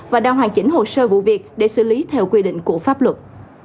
và đang hoàn chỉnh hồ sơ vụ việc để xử lý theo quy định của pháp luật